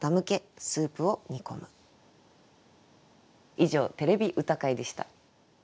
以上「てれび歌会」でした。